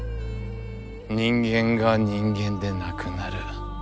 人間が人間でなくなる。